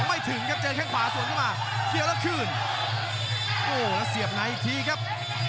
ไม่ยอมกันเลยครับ